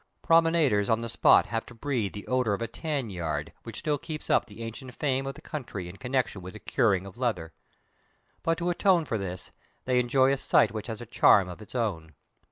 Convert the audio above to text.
Promenaders on the spot have to breathe the odour of a tan yard which still keeps up the ancient fame of the country in connection with the curing of leather. But to atone for this, they enjoy a sight which has a charm of its own.